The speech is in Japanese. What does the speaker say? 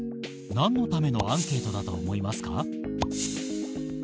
何のためのアンケートだと思いますか？